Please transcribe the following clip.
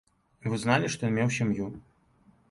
Вы зналі, што ён меў сям'ю.